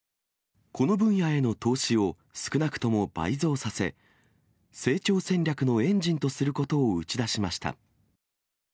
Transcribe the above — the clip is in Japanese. この分野への投資を少なくとも倍増させ、成長戦略のエンジンとすることを打ち出しました。